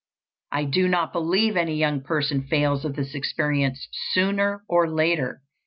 I do not believe any young person fails of this experience sooner or later.